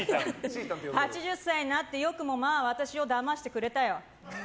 ８０歳にもなってよくも私をだましてくれたよ！